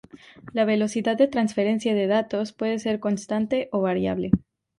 La velocidad de transferencia de datos puede ser constante o variable.